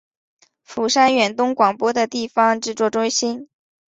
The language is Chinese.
釜山远东广播的地方制作中心。